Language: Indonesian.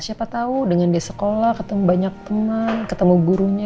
siapa tahu dengan dia sekolah ketemu banyak teman ketemu gurunya